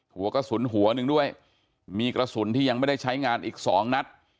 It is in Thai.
หัวกระสุนหัวหนึ่งด้วยมีกระสุนที่ยังไม่ได้ใช้งานอีกสองนัด